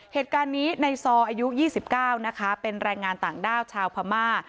เหตุการณ์นี้ในซออายุ๒๙นะคะเป็นแรงงานต่างด้าวชาวพม่า